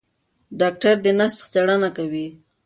ډاکټره د نسج څېړنه کوي.